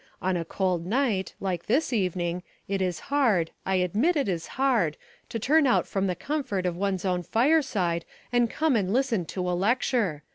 On a cold night, like this evening, it is hard, I admit it is hard, to turn out from the comfort of one's own fireside and come and listen to a lecture.